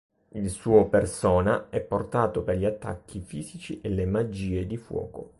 Il suo Persona è portato per gli attacchi fisici e le magie di fuoco.